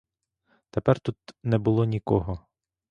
Тепер тут не було нікого.